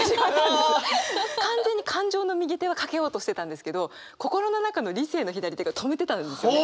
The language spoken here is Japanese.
完全に感情の右手はかけようとしてたんですけど心の中の理性の左手が止めてたんですよね。